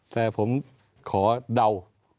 แต่ผมขอเดา